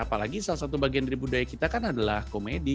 apalagi salah satu bagian dari budaya kita kan adalah komedi